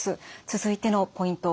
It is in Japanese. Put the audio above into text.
続いてのポイント